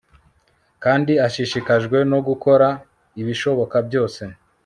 Kandi ashishikajwe no gukora ibishoboka byose